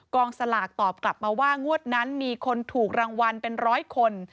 สลากตอบกลับมาว่างวดนั้นมีคนถูกรางวัลเป็นร้อยคน